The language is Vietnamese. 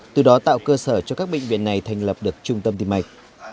từ đó tạo cơ sở cho các bệnh viện này thành lập được trung tâm tim mạch